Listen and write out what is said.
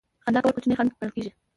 خندا کول کوچنی خنډ ګڼل کیږي.